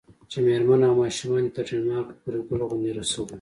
چې میرمن او ماشومان دې تر ډنمارک پورې ګل غوندې رسوو.